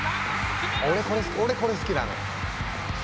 俺これ好きなのよ。